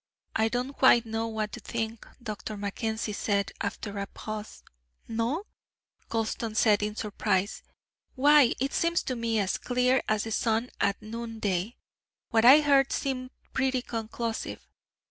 "I don't quite know what to think," Dr. Mackenzie said, after a pause. "No?" Gulston said in surprise. "Why it seems to me as clear as the sun at noon day. What I heard seemed pretty conclusive.